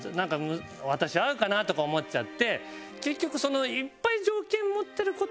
私合うかな？とか思っちゃって。